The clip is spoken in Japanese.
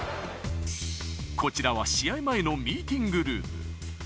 こちらは試合前のミーティングルーム。